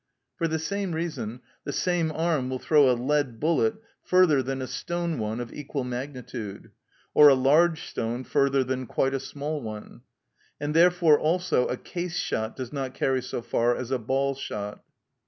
For the same reason, the same arm will throw a lead bullet further than a stone one of equal magnitude, or a large stone further than quite a small one. And therefore also a case shot does not carry so far as a ball shot.